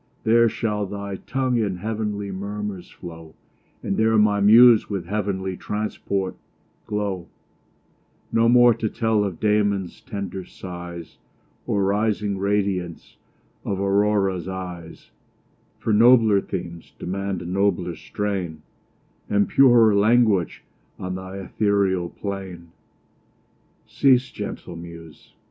There shall thy tongue in heav'nly murmurs flow, And there my muse with heav'nly transport glow: No more to tell of Damon's tender sighs, Or rising radiance of Aurora's eyes, For nobler themes demand a nobler strain, And purer language on th' ethereal plain. Cease, gentle muse!